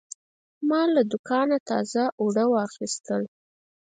ما له دوکانه تازه اوړه واخیستل.